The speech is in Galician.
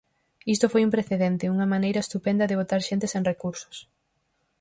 Isto foi un precedente, unha maneira estupenda de botar xente sen recursos.